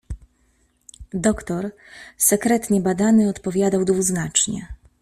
"Doktor, sekretnie badany, odpowiadał dwuznacznie."